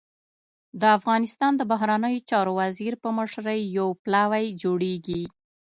د افغانستان د بهرنیو چارو وزیر په مشرۍ يو پلاوی جوړېږي.